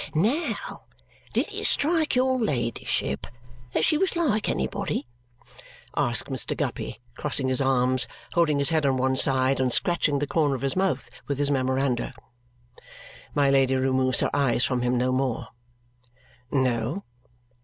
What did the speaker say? "Now, did it strike your ladyship that she was like anybody?" asks Mr. Guppy, crossing his arms, holding his head on one side, and scratching the corner of his mouth with his memoranda. My Lady removes her eyes from him no more. "No."